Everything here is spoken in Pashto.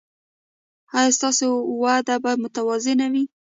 ایا ستاسو وده به متوازنه وي؟